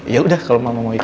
yaudah kalau mama mau ikut